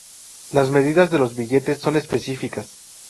Las medidas de los billetes son específicas.